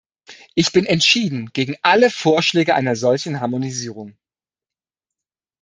Ich bin entschieden gegen alle Vorschläge einer solchen Harmonisierung.